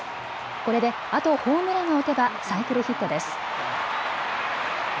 これであとホームランを打てばサイクルヒットです。